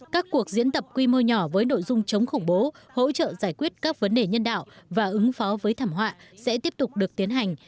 các cuộc diễn tập quy mô nhỏ với nội dung chống khủng bố hỗ trợ giải quyết các vấn đề nhân đạo và ứng phó với thảm họa sẽ tiếp tục được tiến hành